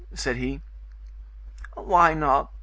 said he. "Why not?"